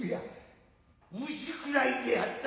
虫食らいであった。